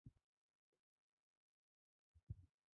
对不起，我没先告诉你